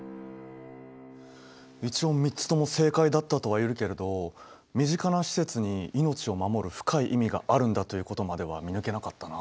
一応３つとも正解だったとは言えるけれど身近な施設に命を守る深い意味があるんだということまでは見抜けなかったな。